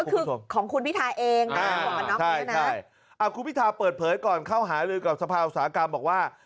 ก็คือของคุณพิทาเองอ่าคุณพิทาเปิดเผยก่อนเข้าหารืนกับสภาอุตสาหกรรมบอกว่า